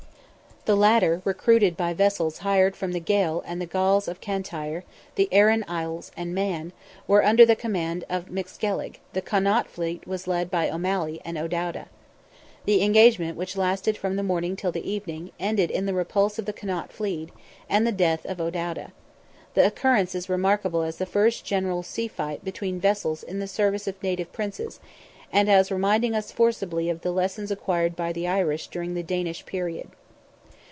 The latter, recruited by vessels hired from the Gael and Galls of Cantire, the Arran Isles, and Man, were under the command of MacScellig; the Connaught fleet was led by O'Malley and O'Dowda. The engagement, which lasted from the morning till the evening, ended in the repulse of the Connaught fleet, and the death of O'Dowda. The occurrence is remarkable as the first general sea fight between vessels in the service of native Princes, and as reminding us forcibly of the lessons acquired by the Irish during the Danish period.